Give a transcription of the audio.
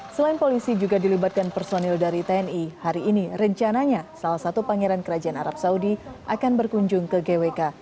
selain polisi juga dilibatkan personil dari tni hari ini rencananya salah satu pangeran kerajaan arab saudi akan berkunjung ke gwk